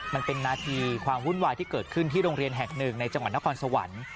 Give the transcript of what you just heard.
มันเป็นนาทีความวุ่นวายที่เกิดขึ้นที่โรงเรียนแห่งหนึ่งในจังหวัดนครสวรรค์